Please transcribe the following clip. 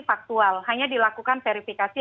faktual hanya dilakukan verifikasi